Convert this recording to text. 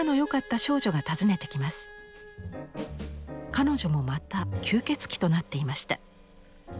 彼女もまた吸血鬼となっていました。